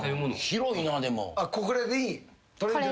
広いなでも。